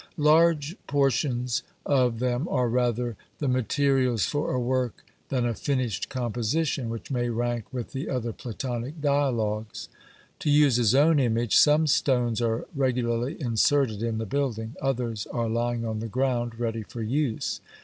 Large portions of them are rather the materials for a work than a finished composition which may rank with the other Platonic dialogues. To use his own image, 'Some stones are regularly inserted in the building; others are lying on the ground ready for use.'